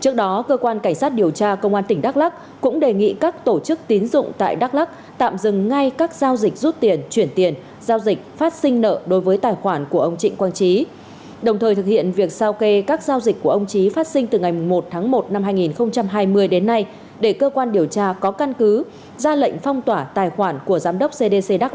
trước đó cơ quan cảnh sát điều tra công an tỉnh đắk lắc cũng đề nghị các tổ chức tín dụng tại đắk lắc tạm dừng ngay các giao dịch rút tiền chuyển tiền giao dịch phát sinh nợ đối với tài khoản của ông trịnh quang trí đồng thời thực hiện việc sao kê các giao dịch của ông trí phát sinh từ ngày một tháng một năm hai nghìn hai mươi đến nay để cơ quan điều tra có căn cứ ra lệnh phong tỏa tài khoản của giám đốc cdc đắk lắc